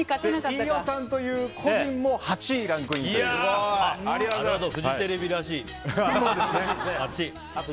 飯尾さんという個人名も８位にランクインと。